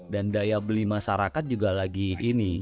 dan daya beli masyarakat juga lagi ini